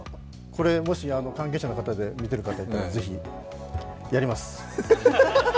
これもし関係者の方で見ている方がいたら、やります！